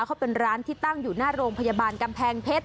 เขาเป็นร้านที่ตั้งอยู่หน้าโรงพยาบาลกำแพงเพชร